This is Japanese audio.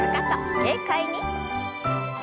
軽快に。